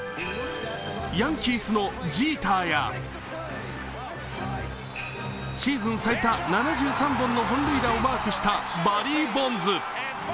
ヤンキースのジーターやシーズン最多７３本の本塁打をマークしたバリー・ボンズ。